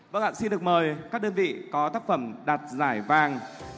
vâng ạ xin được mời các đơn vị có tác phẩm đạt giải vàng